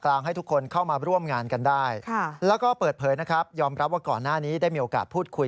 กรณีนี้ทางด้านของประธานกรกฎาได้ออกมาพูดแล้ว